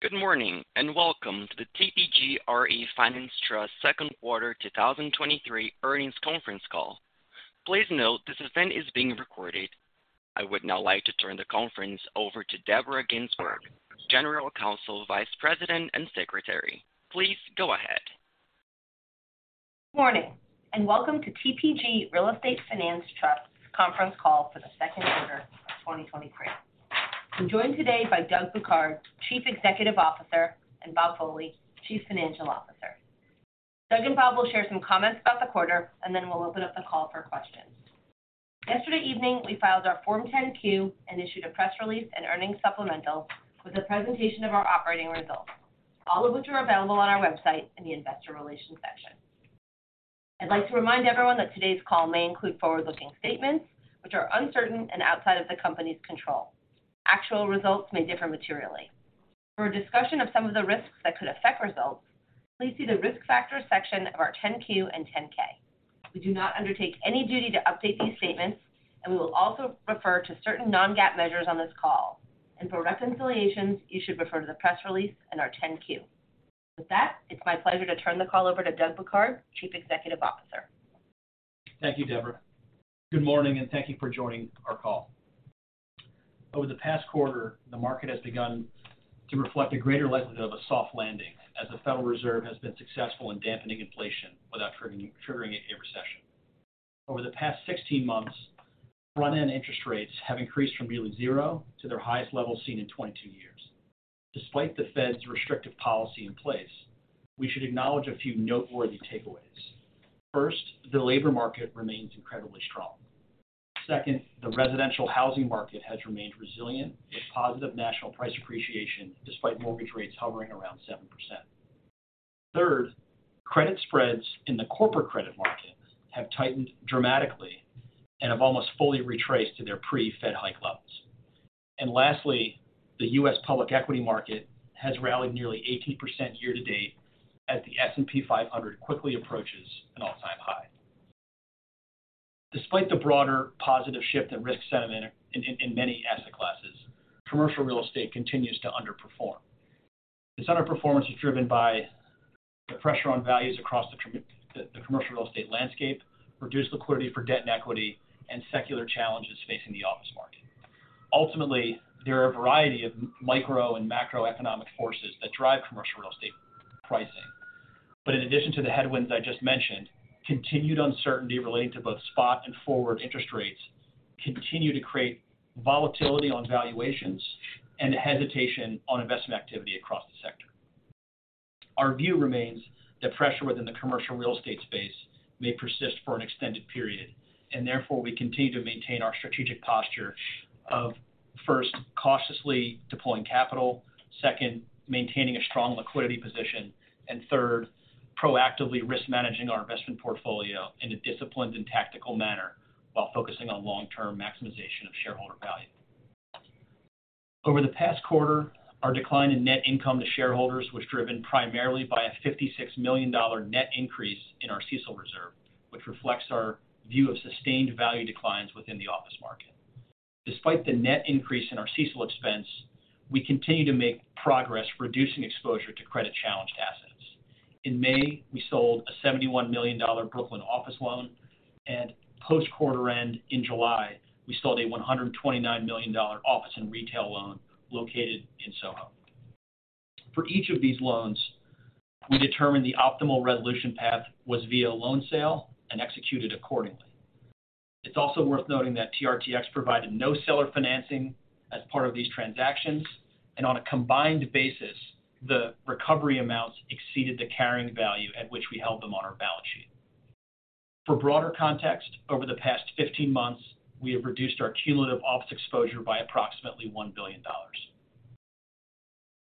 Good morning, welcome to the TPG RE Finance Trust second quarter 2023 earnings conference call. Please note this event is being recorded. I would now like to turn the conference over to Deborah Ginsberg, General Counsel, Vice President, and Secretary. Please go ahead. Good morning, and welcome to TPG Real Estate Finance Trust conference call for the 2nd quarter of 2023. I'm joined today by Doug Bouquard, Chief Executive Officer, and Bob Foley, Chief Financial Officer. Doug and Bob will share some comments about the quarter, and then we'll open up the call for questions. Yesterday evening, we filed our Form 10-Q and issued a press release and earnings supplemental with a presentation of our operating results, all of which are available on our website in the Investor Relations section. I'd like to remind everyone that today's call may include forward-looking statements which are uncertain and outside of the company's control. Actual results may differ materially. For a discussion of some of the risks that could affect results, please see the Risk Factors section of our 10-Q and 10-K. We do not undertake any duty to update these statements, and we will also refer to certain non-GAAP measures on this call, and for reconciliations, you should refer to the press release and our 10-Q. With that, it's my pleasure to turn the call over to Doug Bouquard, Chief Executive Officer. Thank you, Deborah. Good morning, and thank you for joining our call. Over the past quarter, the market has begun to reflect a greater likelihood of a soft landing as the Federal Reserve has been successful in dampening inflation without triggering a recession. Over the past 16 months, front-end interest rates have increased from nearly zero to their highest levels seen in 22 years. Despite the Fed's restrictive policy in place, we should acknowledge a few noteworthy takeaways. First, the labor market remains incredibly strong. Second, the residential housing market has remained resilient, with positive national price appreciation despite mortgage rates hovering around 7%. Third, credit spreads in the corporate credit market have tightened dramatically and have almost fully retraced to their pre-Fed hike levels. Lastly, the U.S. public equity market has rallied nearly 18% year to date as the S&P 500 quickly approaches an all-time high. Despite the broader positive shift in risk sentiment in many asset classes, commercial real estate continues to underperform. This underperformance is driven by the commercial real estate landscape, reduced liquidity for debt and equity, and secular challenges facing the office market. Ultimately, there are a variety of micro and macroeconomic forces that drive commercial real estate pricing. In addition to the headwinds I just mentioned, continued uncertainty relating to both spot and forward interest rates continue to create volatility on valuations and hesitation on investment activity across the sector. Our view remains that pressure within the commercial real estate space may persist for an extended period, and therefore we continue to maintain our strategic posture of, first, cautiously deploying capital, second, maintaining a strong liquidity position, and third, proactively risk managing our investment portfolio in a disciplined and tactical manner while focusing on long-term maximization of shareholder value. Over the past quarter, our decline in net income to shareholders was driven primarily by a $56 million net increase in our CECL reserve, which reflects our view of sustained value declines within the office market. Despite the net increase in our CECL expense, we continue to make progress reducing exposure to credit-challenged assets. In May, we sold a $71 million Brooklyn office loan, and post-quarter end in July, we sold a $129 million office and retail loan located in SoHo. For each of these loans, we determined the optimal resolution path was via loan sale and executed accordingly. It's also worth noting that TRTX provided no seller financing as part of these transactions, and on a combined basis, the recovery amounts exceeded the carrying value at which we held them on our balance sheet. For broader context, over the past 15 months, we have reduced our cumulative office exposure by approximately $1 billion.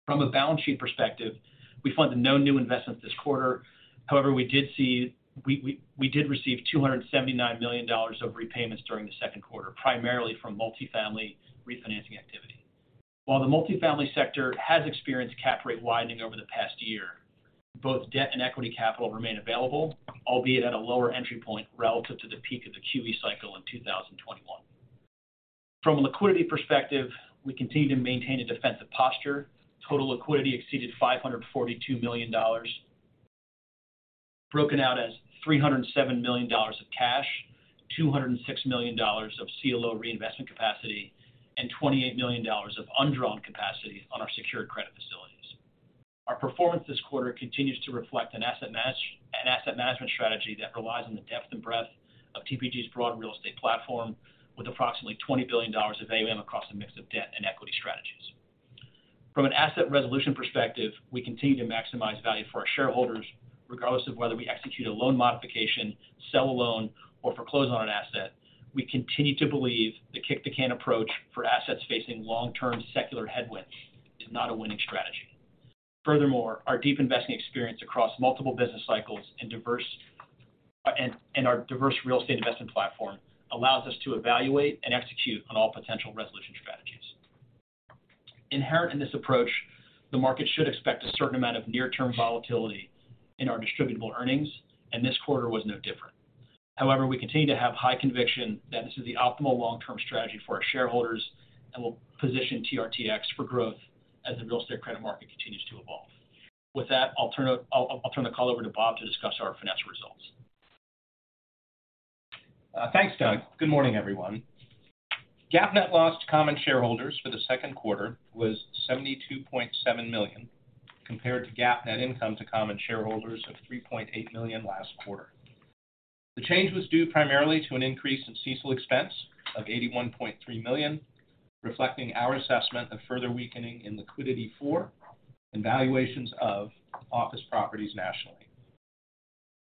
From a balance sheet perspective, we funded no new investments this quarter. However, we did receive $279 million of repayments during the second quarter, primarily from multifamily refinancing activity. While the multifamily sector has experienced cap rate widening over the past year, both debt and equity capital remain available, albeit at a lower entry point relative to the peak of the QE cycle in 2021. From a liquidity perspective, we continue to maintain a defensive posture. Total liquidity exceeded $542 million, broken out as $307 million of cash, $206 million of CLO reinvestment capacity, and $28 million of undrawn capacity on our secured credit facilities. Our performance this quarter continues to reflect an asset management strategy that relies on the depth and breadth of TPG's broad real estate platform with approximately $20 billion of AUM across a mix of debt and equity strategies. From an asset resolution perspective, we continue to maximize value for our shareholders, regardless of whether we execute a loan modification, sell a loan, or foreclose on an asset. We continue to believe the kick-the-can approach for assets facing long-term secular headwinds is not a winning strategy. Our deep investing experience across multiple business cycles and diverse and our diverse real estate investment platform allows us to evaluate and execute on all potential resolution strategies. Inherent in this approach, the market should expect a certain amount of near-term volatility in our Distributable earnings, and this quarter was no different. We continue to have high conviction that this is the optimal long-term strategy for our shareholders, and will position TRTX for growth as the real estate credit market continues to evolve. With that, I'll turn the call over to Bob to discuss our financial results. Thanks, Doug. Good morning, everyone. GAAP net loss to common shareholders for the second quarter was $72.7 million, compared to GAAP net income to common shareholders of $3.8 million last quarter. The change was due primarily to an increase in CECL expense of $81.3 million, reflecting our assessment of further weakening in FL4 and valuations of office properties nationally.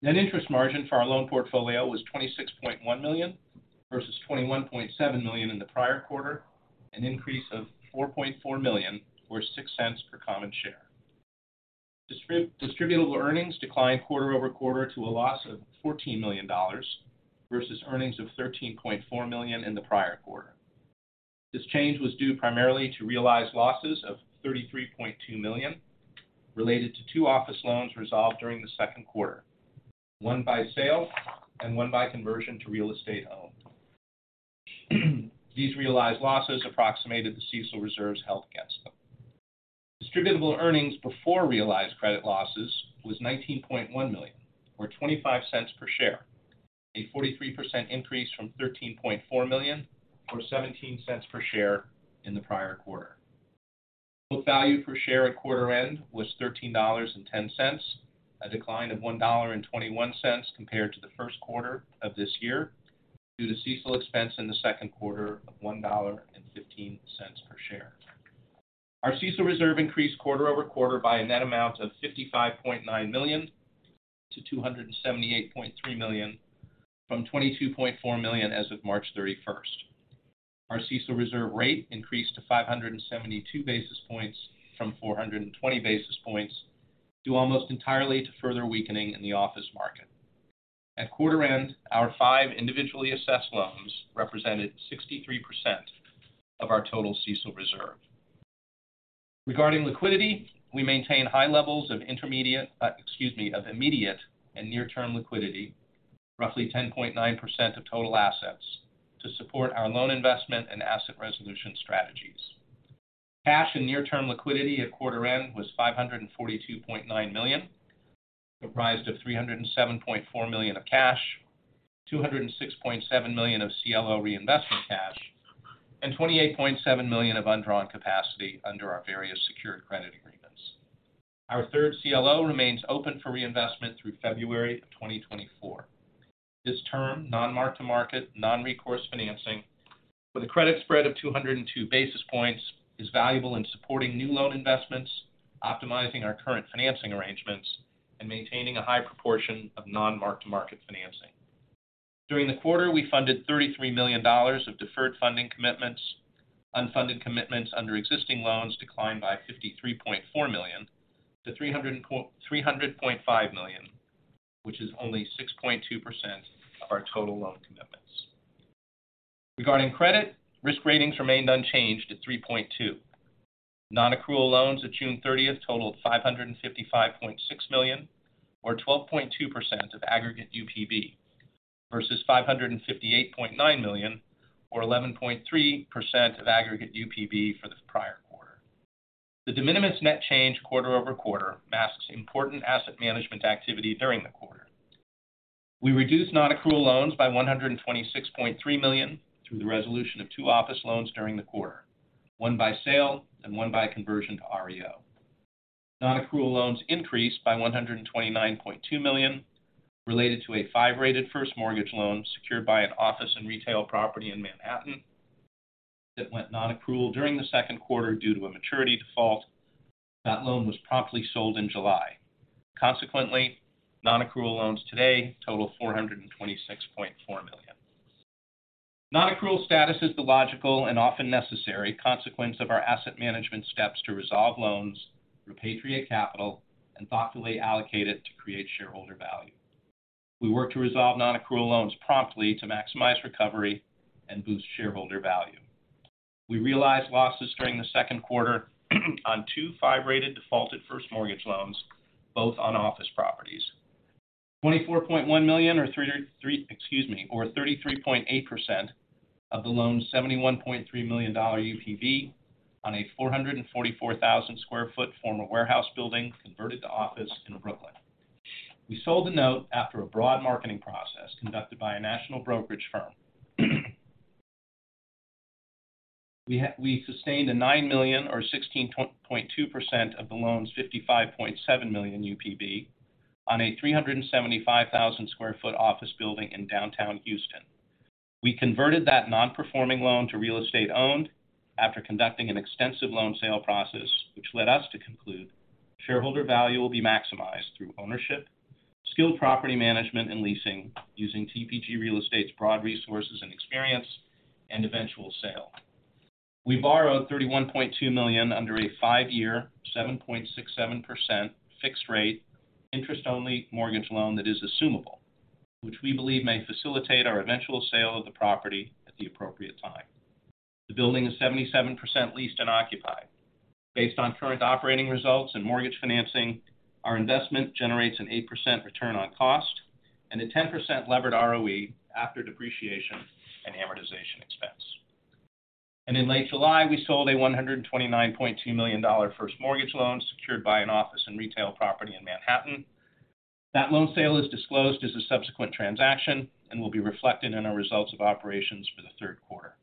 Net interest margin for our loan portfolio was $26.1 million versus $21.7 million in the prior quarter, an increase of $4.4 million, or $0.06 per common share. Distributable earnings declined quarter-over-quarter to a loss of $14 million, versus earnings of $13.4 million in the prior quarter. This change was due primarily to realized losses of $33.2 million, related to two office loans resolved during the second quarter, one by sale and one by conversion to real estate owned. These realized losses approximated the CECL reserves held against them. Distributable earnings before realized credit losses was $19.1 million, or $0.25 per share, a 43% increase from $15.4 million, or $0.17 per share in the prior quarter. Book value per share at quarter end was $13.10, a decline of $1.21 compared to the first quarter of this year, due to CECL expense in the second quarter of $1.15 per share. Our CECL reserve increased quarter-over-quarter by a net amount of $55.9 million to $278.3 million, from $22.4 million as of March 31st. Our CECL reserve rate increased to 572 basis points from 420 basis points, due almost entirely to further weakening in the office market. At quarter end, our five individually assessed loans represented 63% of our total CECL reserve. Regarding liquidity, we maintain high levels of intermediate, excuse me, of immediate and near-term liquidity, roughly 10.9% of total assets, to support our loan investment and asset resolution strategies. Cash and near-term liquidity at quarter end was $542.9 million, comprised of $307.4 million of cash, $206.7 million of CLO reinvestment cash, and $28.7 million of undrawn capacity under our various secured credit agreements. Our third CLO remains open for reinvestment through February of 2024. This term, non-mark-to-market, non-recourse financing with a credit spread of 202 basis points, is valuable in supporting new loan investments, optimizing our current financing arrangements, and maintaining a high proportion of non-mark-to-market financing. During the quarter, we funded $33 million of deferred funding commitments. Unfunded commitments under existing loans declined by $53.4 million to $300.5 million, which is only 6.2% of our total loan commitments. Regarding credit, risk ratings remained unchanged at 3.2. Nonaccrual loans at June 30th totaled $555.6 million, or 12.2% of aggregate UPB, versus $558.9 million, or 11.3% of aggregate UPB for the prior quarter. The de minimis net change quarter-over-quarter masks important asset management activity during the quarter. We reduced nonaccrual loans by $126.3 million through the resolution of two office loans during the quarter, one by sale and one by conversion to REO. Nonaccrual loans increased by $129.2 million, related to a five-rated first mortgage loan secured by an office and retail property in Manhattan that went nonaccrual during the second quarter due to a maturity default. That loan was promptly sold in July. Consequently, nonaccrual loans today total $426.4 million. Nonaccrual status is the logical and often necessary consequence of our asset management steps to resolve loans, repatriate capital, and thoughtfully allocate it to create shareholder value. We work to resolve nonaccrual loans promptly to maximize recovery and boost shareholder value. We realized losses during the second quarter on two five-rated defaulted first mortgage loans, both on office properties. $24.1 million or 33.8% of the loan's $71.3 million UPB on a 444,000 sq ft former warehouse building converted to office in Brooklyn. We sold the note after a broad marketing process conducted by a national brokerage firm. We sustained a $9 million or 16.2% of the loan's $55.7 million UPB on a 375,000 sq ft office building in downtown Houston. We converted that non-performing loan to real estate owned after conducting an extensive loan sale process, which led us to conclude shareholder value will be maximized through ownership, skilled property management and leasing using TPG Real Estate's broad resources and experience, and eventual sale. We borrowed $31.2 million under a 5-year, 7.67% fixed rate, interest-only mortgage loan that is assumable, which we believe may facilitate our eventual sale of the property at the appropriate time. The building is 77% leased and occupied. Based on current operating results and mortgage financing, our investment generates an 8% return on cost and a 10% levered ROE after depreciation and amortization expense. In late July, we sold a $129.2 million first mortgage loan secured by an office and retail property in Manhattan. That loan sale is disclosed as a subsequent transaction and will be reflected in our results of operations for the third quarter.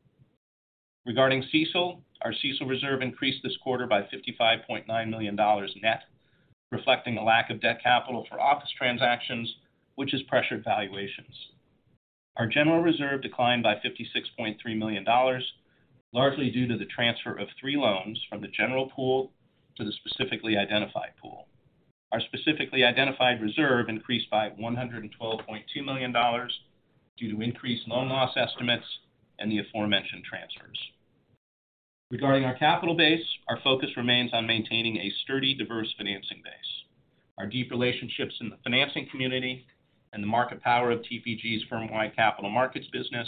Regarding CECL, our CECL reserve increased this quarter by $55.9 million net, reflecting a lack of debt capital for office transactions, which has pressured valuations. Our general reserve declined by $56.3 million, largely due to the transfer of three loans from the general pool to the specifically identified pool. Our specifically identified reserve increased by $112.2 million due to increased loan loss estimates and the aforementioned transfers. Regarding our capital base, our focus remains on maintaining a sturdy, diverse financing base. Our deep relationships in the financing community and the market power of TPG's firm-wide capital markets business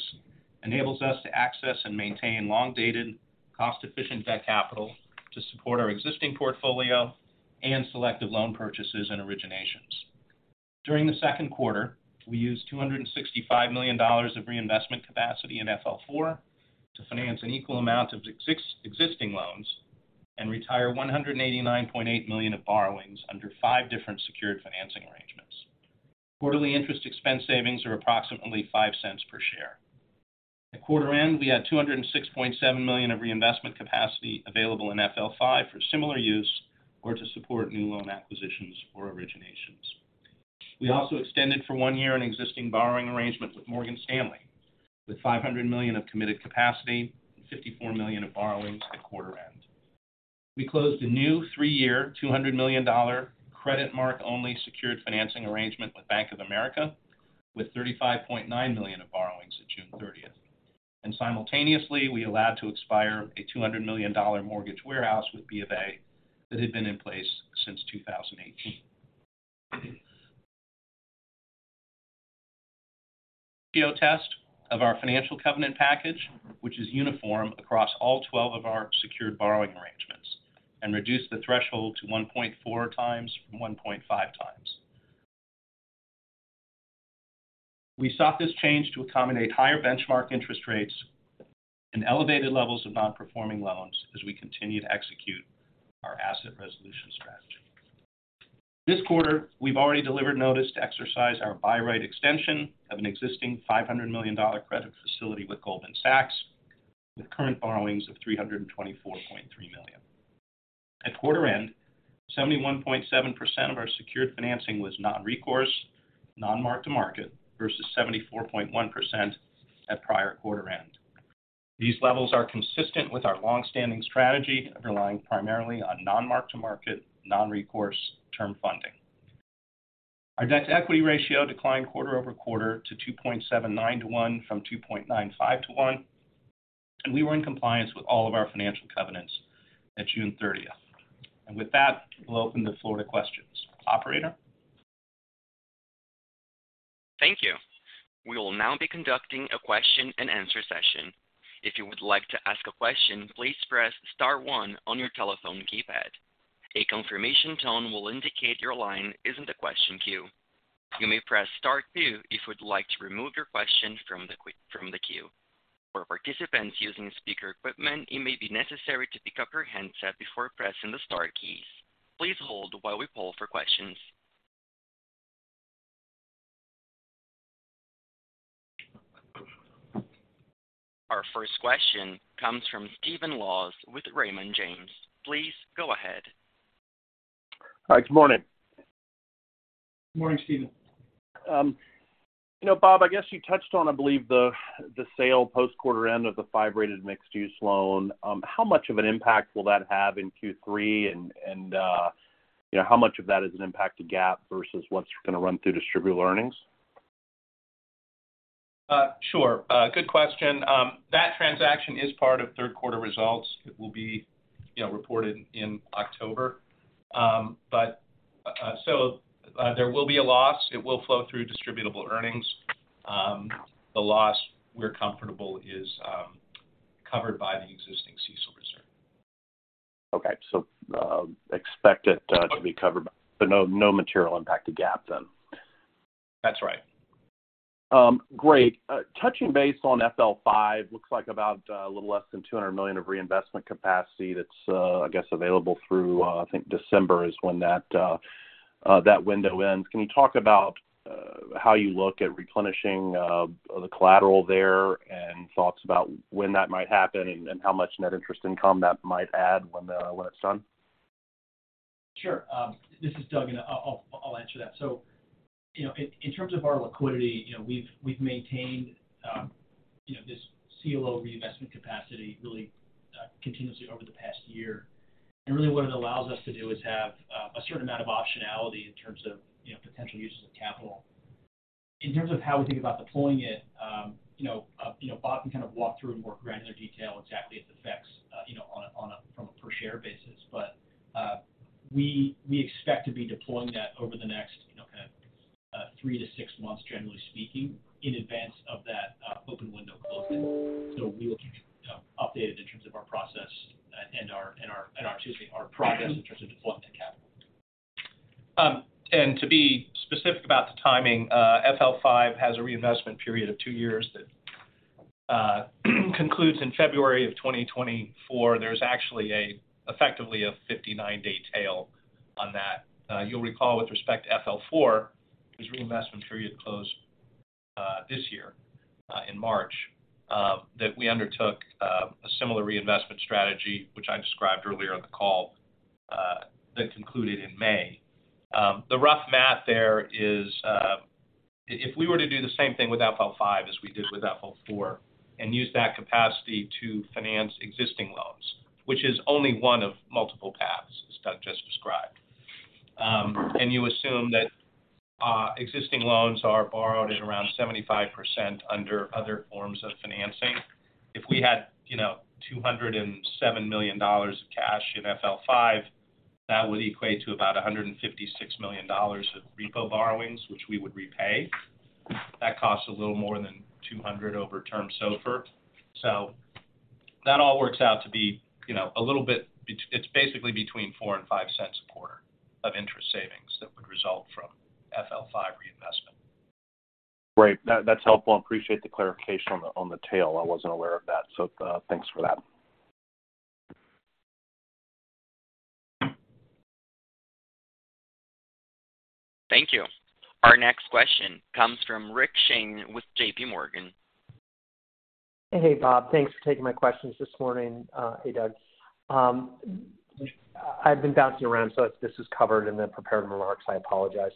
enables us to access and maintain long-dated, cost-efficient debt capital to support our existing portfolio and selective loan purchases and originations. During the second quarter, we used $265 million of reinvestment capacity in FL4 to finance an equal amount of existing loans and retire $189.8 million of borrowings under five different secured financing arrangements. Quarterly interest expense savings are approximately $0.05 per share. At quarter end, we had $206.7 million of reinvestment capacity available in FL5 for similar use or to support new loan acquisitions or originations. We also extended for one year an existing borrowing arrangement with Morgan Stanley, with $500 million of committed capacity and $54 million of borrowings at quarter end. We closed a new 3-year, $200 million credit mark-only secured financing arrangement with Bank of America, with $35.9 million of borrowings at June 30th. Simultaneously, we allowed to expire a $200 million mortgage warehouse with B of A that had been in place since 2018. Test of our financial covenant package, which is uniform across all 12 of our secured borrowing arrangements, and reduced the threshold to 1.4x from 1.5x. We sought this change to accommodate higher benchmark interest rates and elevated levels of non-performing loans as we continue to execute our asset resolution strategy. This quarter, we've already delivered notice to exercise our by-right extension of an existing $500 million credit facility with Goldman Sachs, with current borrowings of $324.3 million. At quarter end, 71.7% of our secured financing was non-recourse, non-mark-to-market, versus 74.1% at prior quarter end. These levels are consistent with our long-standing strategy of relying primarily on non-mark-to-market, non-recourse term funding. Our debt-to-equity ratio declined quarter-over-quarter to 2.79 to 1 from 2.95 to 1. We were in compliance with all of our financial covenants at June 30th. With that, we'll open the floor to questions. Operator? Thank you. We will now be conducting a question-and-answer session. If you would like to ask a question, please press star one on your telephone keypad. A confirmation tone will indicate your line is in the question queue. You may press star two if you would like to remove your question from the queue. For participants using speaker equipment, it may be necessary to pick up your handset before pressing the star keys. Please hold while we poll for questions. Our first question comes from Stephen Laws with Raymond James. Please go ahead. Hi, good morning. Good morning, Stephen. You know, Bob, I guess you touched on, I believe, the, the sale post-quarter end of the 5-rated mixed-use loan. How much of an impact will that have in Q3, you know, how much of that is an impact to GAAP versus what's gonna run through distributable earnings? Sure, good question. That transaction is part of third quarter results. It will be, you know, reported in October. There will be a loss. It will flow through distributable earnings. The loss, we're comfortable, is covered by the existing CECL reserve. Okay. expect it to be covered, but no, no material impact to GAAP then? That's right. Great. Touching base on FL5, looks like about a little less than $200 million of reinvestment capacity that's available through December is when that window ends. Can you talk about how you look at replenishing the collateral there and thoughts about when that might happen and how much net interest income that might add when it's done? Sure. This is Doug, and I'll, I'll answer that. You know, in, in terms of our liquidity, you know, we've, we've maintained, you know, this CLO reinvestment capacity really continuously over the past year. Really what it allows us to do is have a certain amount of optionality in terms of, you know, potential uses of capital. In terms of how we think about deploying it, you know, Bob can kind of walk through in more granular detail exactly its effects, you know, on a, on a, from a per share basis. We, we expect to be deploying that over the next three to six months, generally speaking, in advance of that open window closing. We will keep you updated in terms of our process and, and our, and our- excuse me, our progress in terms of deploying the capital. To be specific about the timing, FL5 has a reinvestment period of 2 years that concludes in February of 2024. There's actually effectively a 59-day tail on that. You'll recall with respect to FL4, whose reinvestment period closed this year, in March, that we undertook a similar reinvestment strategy, which I described earlier on the call, that concluded in May. The rough math there is, if we were to do the same thing with FL5 as we did with FL4 and use that capacity to finance existing loans, which is only one of multiple paths, as Doug just described. You assume that existing loans are borrowed at around 75% under other forms of financing. If we had, you know, $207 million of cash in FL5, that would equate to about $156 million of repo borrowings, which we would repay. That costs a little more than 200 over term SOFR. That all works out to be, you know, a little bit it's basically between $0.04 and $0.05 a quarter of interest savings that would result from FL5 reinvestment. Great. That, that's helpful. Appreciate the clarification on the, on the tail. I wasn't aware of that, so, thanks for that. Thank you. Our next question comes from Rick Shane with JPMorgan. Hey, Bob. Thanks for taking my questions this morning. Hey, Doug. I've been bouncing around, so if this is covered in the prepared remarks, I apologize.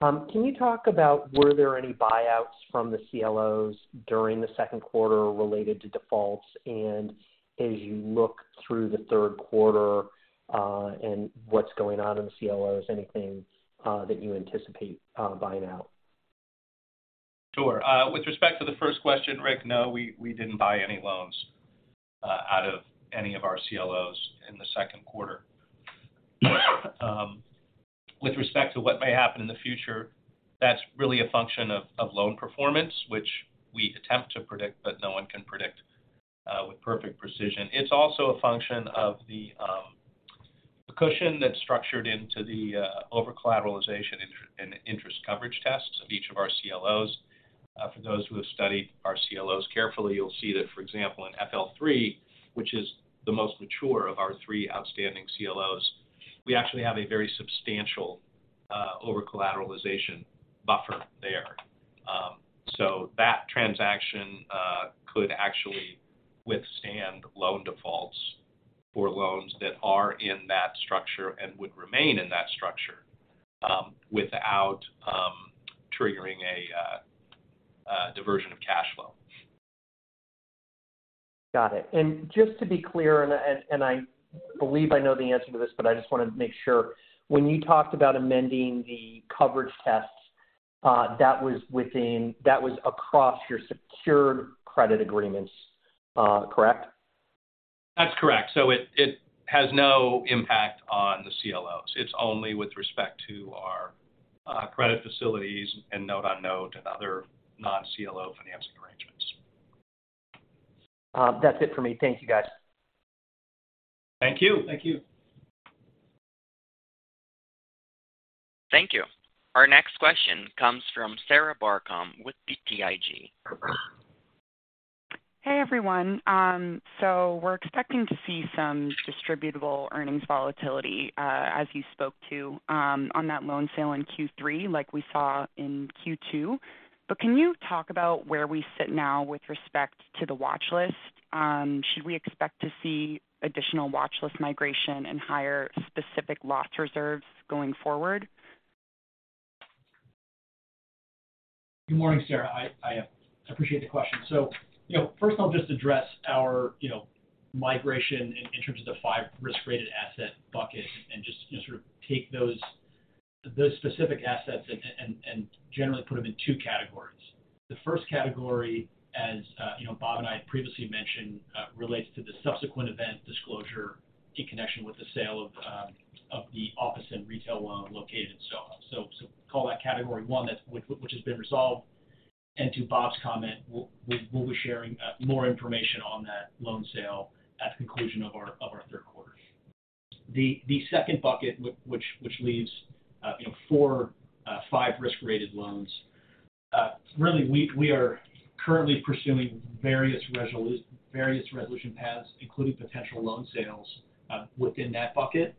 Can you talk about were there any buyouts from the CLOs during the second quarter related to defaults? As you look through the third quarter, and what's going on in the CLOs, anything, that you anticipate, buying out? Sure. With respect to the first question, Rick, no, we, we didn't buy any loans out of any of our CLOs in the second quarter. With respect to what may happen in the future, that's really a function of, of loan performance, which we attempt to predict, but no one can predict with perfect precision. It's also a function of the cushion that's structured into the over-collateralization inter- and interest coverage tests of each of our CLOs. For those who have studied our CLOs carefully, you'll see that, for example, in FL3, which is the most mature of our three outstanding CLOs, we actually have a very substantial over-collateralization buffer there. That transaction could actually withstand loan defaults for loans that are in that structure and would remain in that structure without triggering a diversion of cash flow. Got it. Just to be clear, I believe I know the answer to this, but I just wanna make sure. When you talked about amending the coverage tests, that was across your secured credit agreements, correct? That's correct. It, it has no impact on the CLOs. It's only with respect to our credit facilities and note-on-note and other non-CLO financing arrangements. That's it for me. Thank you, guys. Thank you. Thank you. Thank you. Our next question comes from Sarah Barcomb with BTIG. Hey, everyone. We're expecting to see some Distributable earnings volatility, as you spoke to, on that loan sale in Q3, like we saw in Q2. Can you talk about where we sit now with respect to the watch list? Should we expect to see additional watch list migration and higher specific loss reserves going forward? Good morning, Sarah. I, I appreciate the question. You know, first I'll just address our, you know, migration in terms of the five risk-rated asset buckets and just sort of take those, those specific assets and generally put them in two categories. The first category, as you know, Bob and I previously mentioned, relates to the subsequent event disclosure in connection with the sale of the office and retail loan located in SoHo. Call that category one, that which has been resolved. To Bob's comment, we'll be sharing more information on that loan sale at the conclusion of our third quarter. The second bucket, which, which leaves, you know, four, five risk-rated loans, really, we, we are currently pursuing various resolution paths, including potential loan sales, within that bucket.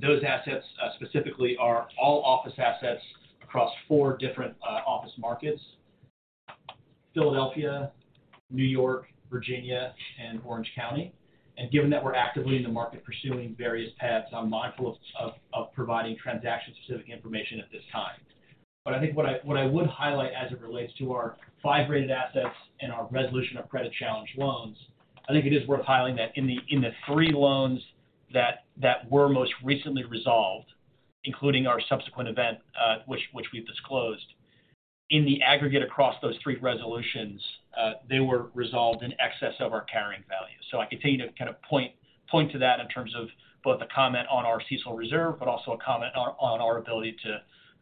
Those assets, specifically are all office assets across four different office markets: Philadelphia, New York, Virginia, and Orange County. Given that we're actively in the market pursuing various paths, I'm mindful of providing transaction-specific information at this time. I think what I would highlight as it relates to our five-rated assets and our resolution of credit challenge loans, I think it is worth highlighting that in the three loans that, that were most recently resolved, including our subsequent event, which, which we've disclosed, in the aggregate across those three resolutions, they were resolved in excess of our carrying value. I continue to kind of point, point to that in terms of both a comment on our CECL reserve, but also a comment on, on our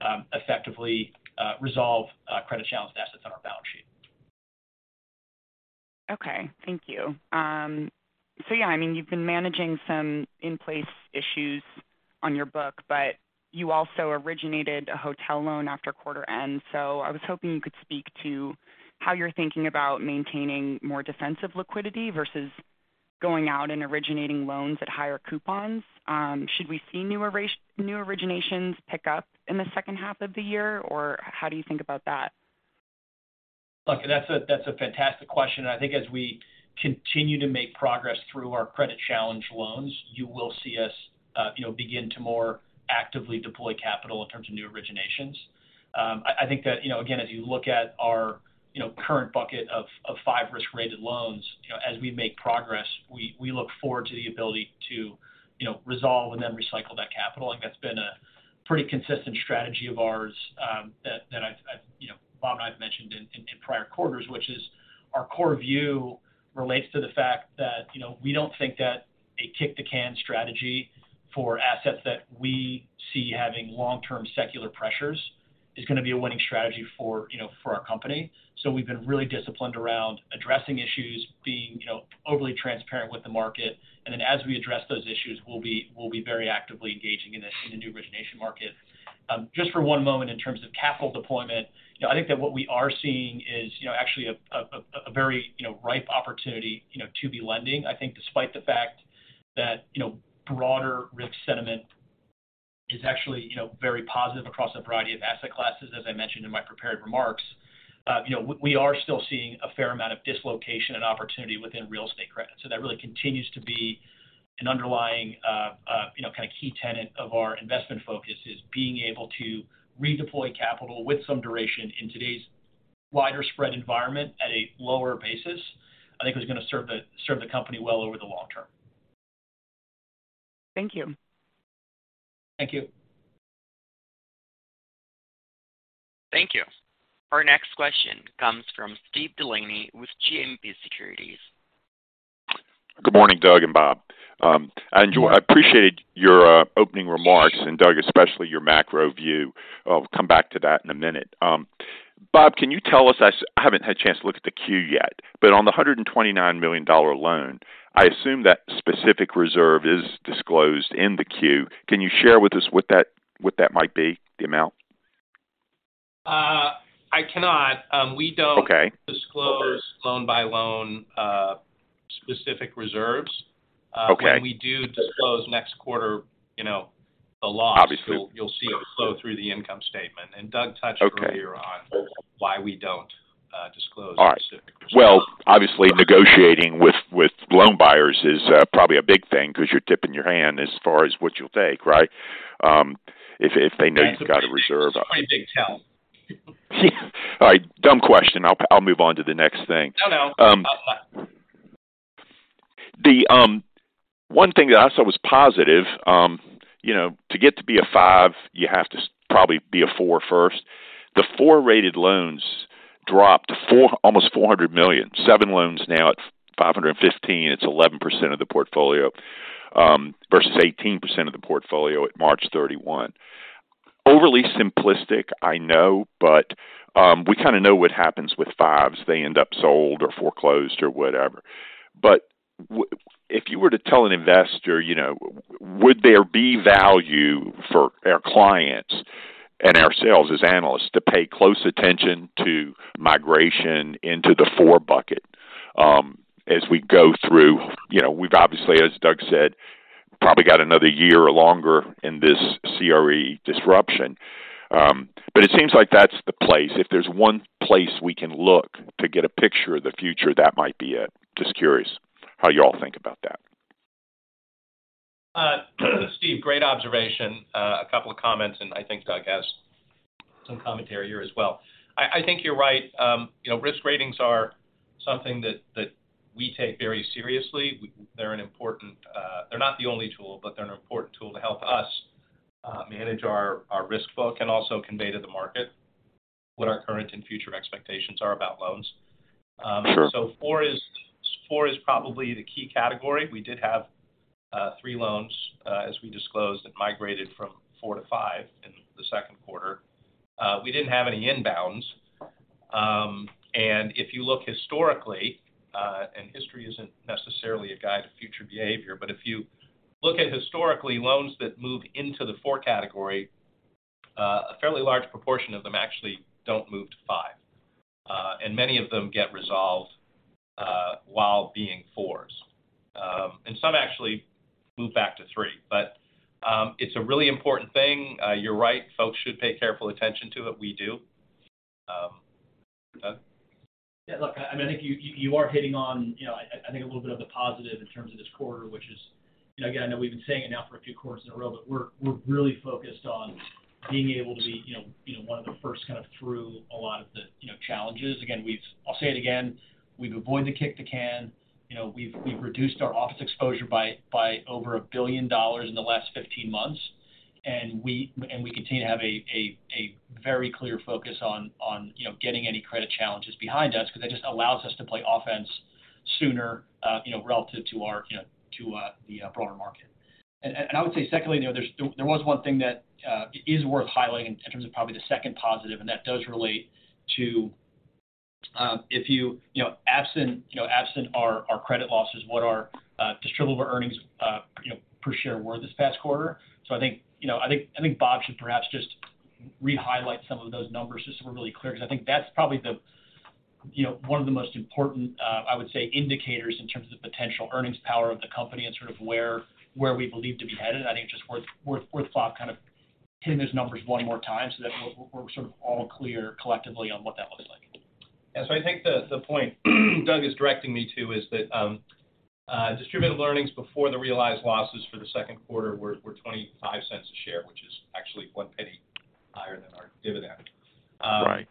ability to effectively resolve credit-challenged assets on our balance sheet. Okay, thank you. Yeah, I mean, you've been managing some in-place issues on your book, but you also originated a hotel loan after quarter end. I was hoping you could speak to how you're thinking about maintaining more defensive liquidity versus going out and originating loans at higher coupons. Should we see new originations pick up in the second half of the year, or how do you think about that? Look, that's a, that's a fantastic question. I think as we continue to make progress through our credit challenge loans, you will see us, you know, begin to more actively deploy capital in terms of new originations. I, I think that, you know, again, as you look at our, you know, current bucket of, of five risk-rated loans, you know, as we make progress, we, we look forward to the ability to, you know, resolve and then recycle that capital. That's been a pretty consistent strategy of ours, that, that I've, I've, you know, Bob and I have mentioned in, in prior quarters, which is our core view relates to the fact that, you know, we don't think that a kick-the-can strategy for assets that we see having long-term secular pressures is gonna be a winning strategy for, you know, for our company. We've been really disciplined around addressing issues, being, you know, overly transparent with the market. Then as we address those issues, we'll be, we'll be very actively engaging in the, in the new origination market. Just for one moment, in terms of capital deployment, you know, I think that what we are seeing is, you know, actually a, a, a very, you know, ripe opportunity, you know, to be lending. I think despite the fact that, you know, broader risk sentiment is actually, you know, very positive across a variety of asset classes, as I mentioned in my prepared remarks, you know, we, we are still seeing a fair amount of dislocation and opportunity within real estate credit. That really continues to be an underlying, you know, kind of key tenet of our investment focus, is being able to redeploy capital with some duration in today's wider spread environment at a lower basis, I think is gonna serve the, serve the company well over the long term. Thank you. Thank you. Thank you. Our next question comes from Steve DeLaney with JMP Securities. Good morning, Doug and Bob. I enjoy-- I appreciated your opening remarks, and Doug, especially your macro view. I'll come back to that in a minute. Bob, can you tell us, I haven't had a chance to look at the queue yet, but on the $129 million dollar loan, I assume that specific reserve is disclosed in the queue. Can you share with us what that, what that might be, the amount? I cannot. Okay. disclose loan by loan, specific reserves. Okay. What we do disclose next quarter, you know. Obviously. you'll, you'll see it flow through the income statement. Doug touched- Okay. Earlier on why we don't disclose the specific reserve. All right. Well, obviously, negotiating with, with loan buyers is, probably a big thing because you're tipping your hand as far as what you'll take, right? If, if they know you've got a reserve. It's quite a big tell. All right, dumb question. I'll, I'll move on to the next thing. No, no. The one thing that I saw was positive, you know, to get to be a five, you have to probably be a four first. The four-rated loans dropped almost $400 million, seven loans now at $515 million. It's 11% of the portfolio versus 18% of the portfolio at March 31. Overly simplistic, I know, but we kind of know what happens with fives. They end up sold or foreclosed or whatever. If you were to tell an investor, you know, would there be value for our clients and ourselves as analysts to pay close attention to migration into the four bucket as we go through? You know, we've obviously, as Doug said, probably got another year or longer in this CRE disruption. It seems like that's the place. If there's one place we can look to get a picture of the future, that might be it. Just curious how you all think about that. Steve, great observation. A couple of comments, and I think Doug has some commentary here as well. I think you're right. You know, risk ratings are something that we take very seriously. They're not the only tool, but they're an important tool to help us manage our risk well, and also convey to the market what our current and future expectations are about loans. Sure. Four is, 4 is probably the key category. We did have three loans, as we disclosed, that migrated from 4 to 5 in the second quarter. We didn't have any inbounds. If you look historically, and history isn't necessarily a guide to future behavior, but if you look at historically, loans that move into the 4 category, a fairly large proportion of them actually don't move to 5, and many of them get resolved, while being 4s. Some actually move back to 3. It's a really important thing. You're right. Folks should pay careful attention to it. We do. Doug? Yeah, look, I, I think you, you are hitting on, you know, I, I think a little bit of the positive in terms of this quarter, which is, again, I know we've been saying it now for a few quarters in a row, but we're, we're really focused on being able to be, you know, you know, one of the first kind of through a lot of the, you know, challenges. Again, we've I'll say it again, we've avoided the kick to can. You know, we've, we've reduced our office exposure by, by over $1 billion in the last 15 months, and we, and we continue to have a, a, a very clear focus on, on, you know, getting any credit challenges behind us because that just allows us to play offense sooner, you know, relative to our, you know, to, the, broader market. I would say secondly, you know, there was one thing that is worth highlighting in terms of probably the second positive, and that does relate to, if you, you know, absent, you know, absent our, our credit losses, what our distributable earnings, you know, per share were this past quarter. I think, you know, I think, I think Bob should perhaps just re-highlight some of those numbers just so we're really clear, because I think that's probably the, you know, one of the most important, I would say, indicators in terms of potential earnings power of the company and sort of where, where we believe to be headed. I think just worth, worth, worth Bob kind of hitting those numbers one more time so that we're, we're sort of all clear collectively on what that looks like. Yeah. I think the, the point Doug is directing me to is that, distributable earnings before the realized losses for the second quarter were $0.25 a share, which is actually $0.01 higher than our dividend. Right.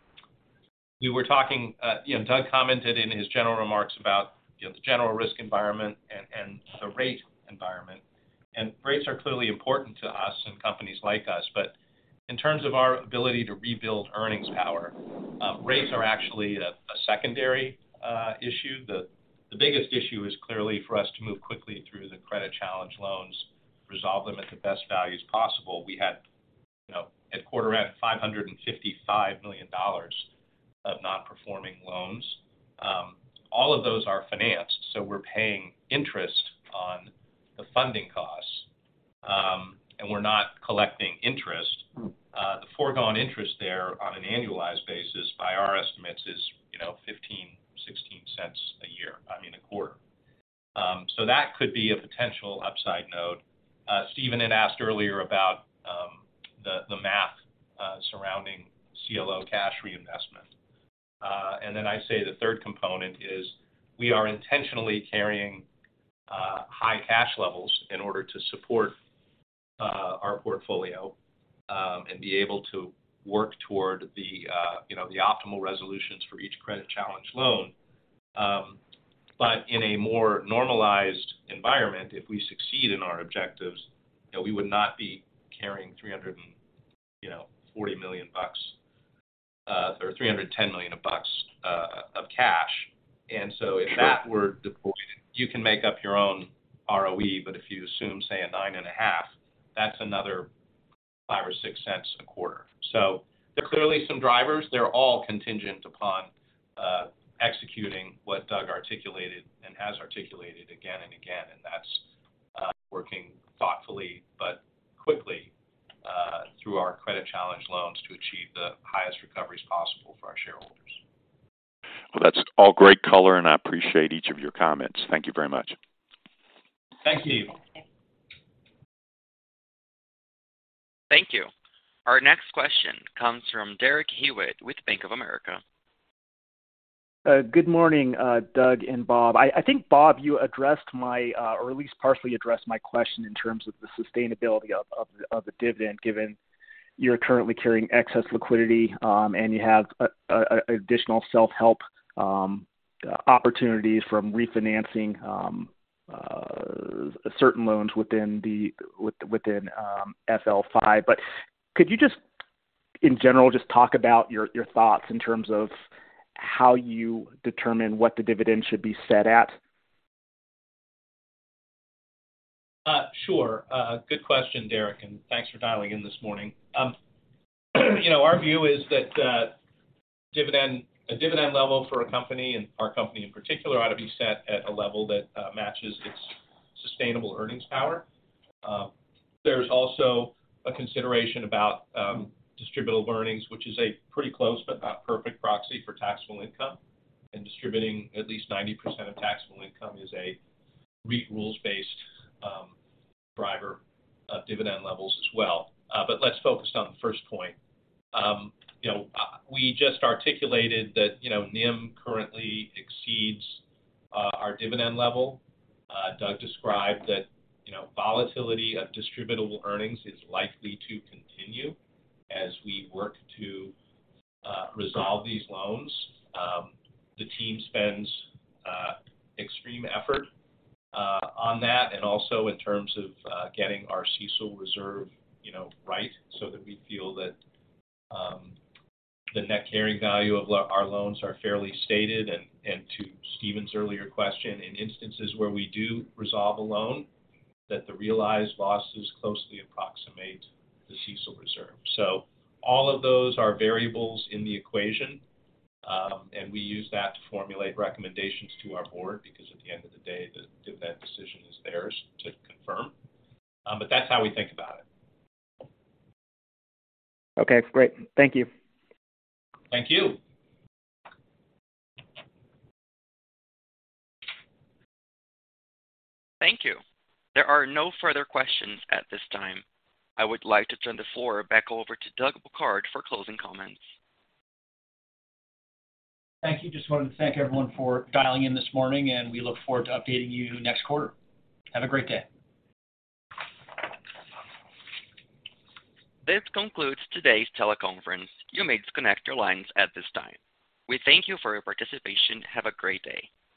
We were talking. You know, Doug commented in his general remarks about, you know, the general risk environment and the rate environment. Rates are clearly important to us and companies like us. In terms of our ability to rebuild earnings power, rates are actually a secondary issue. The biggest issue is clearly for us to move quickly through the credit challenge loans, resolve them at the best values possible. We had, you know, at quarter end, $555 million of nonaccrual loans. All of those are financed, so we're paying interest on the funding costs, and we're not collecting interest. The foregone interest there on an annualized basis, by our estimates, is, you know, $0.15-$0.16 a quarter. That could be a potential upside note. Stephen had asked earlier about the, the math surrounding CLO cash reinvestment. I say the third component is we are intentionally carrying high cash levels in order to support our portfolio and be able to work toward the, you know, the optimal resolutions for each credit challenge loan. In a more normalized environment, if we succeed in our objectives, you know, we would not be carrying $340 million or $310 million of cash. If that were deployed, you can make up your own ROE, but if you assume, say, a 9.5, that's another $0.05-$0.06 a quarter. There are clearly some drivers. They're all contingent upon executing what Doug articulated and has articulated again and again, and that's working thoughtfully but quickly through our credit challenge loans to achieve the highest recoveries possible for our shareholders. Well, that's all great color, and I appreciate each of your comments. Thank you very much. Thank you. Thank you. Thank you. Our next question comes from Derek Hewett with Bank of America. Good morning, Doug and Bob. I think, Bob, you addressed my or at least partially addressed my question in terms of the sustainability of the dividend, given you're currently carrying excess liquidity, and you have additional self-help opportunities from refinancing certain loans within FL5. Could you just, in general, just talk about your thoughts in terms of how you determine what the dividend should be set at? Sure. Good question, Derek, and thanks for dialing in this morning. You know, our view is that dividend, a dividend level for a company and our company in particular, ought to be set at a level that matches its sustainable earnings power. There's also a consideration about distributable earnings, which is a pretty close but not perfect proxy for taxable income, and distributing at least 90% of taxable income is a REIT rules-based driver of dividend levels as well. Let's focus on the first point. You know, we just articulated that, you know, NIM currently exceeds our dividend level. Doug described that, you know, volatility of distributable earnings is likely to continue as we work to resolve these loans. The team spends extreme effort on that and also in terms of getting our CECL reserve, you know, right, so that we feel that the net carrying value of our loans are fairly stated. To Stephen's earlier question, in instances where we do resolve a loan, that the realized losses closely approximate the CECL reserve. All of those are variables in the equation, and we use that to formulate recommendations to our board, because at the end of the day, the dividend decision is theirs to confirm. That's how we think about it. Okay, great. Thank you. Thank you. Thank you. There are no further questions at this time. I would like to turn the floor back over to Doug Bouquard for closing comments. Thank you. Just wanted to thank everyone for dialing in this morning, and we look forward to updating you next quarter. Have a great day. This concludes today's teleconference. You may disconnect your lines at this time. We thank you for your participation. Have a great day.